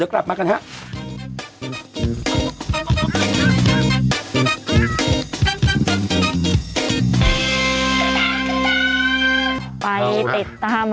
ตรงนี้ติดตาม